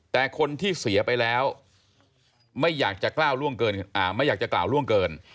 แต่คนที่เสียไปแล้วไม่อยากจะกล้าวร่วงเกิน